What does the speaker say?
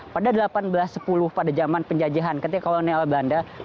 pada seribu delapan ratus sepuluh pada zaman penjajahan ketika kolonial belanda